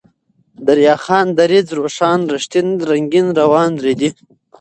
دريا خان ، دريځ ، روښان ، رښتين ، رنگين ، روان ، ريدی